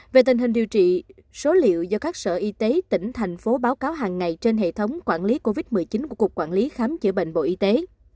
về tình hình điều trị số liệu do các sở y tế tỉnh thành phố báo cáo hàng ngày trên hệ thống quản lý covid một mươi chín của cục quản lý khám chữa bệnh bộ y tế